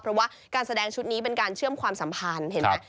เพราะว่าการแสดงชุดนี้เป็นการเชื่อมความสัมพันธ์เห็นไหม